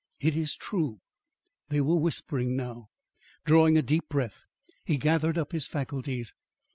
"It is true." They were whispering now. Drawing a deep breath, he gathered up his faculties.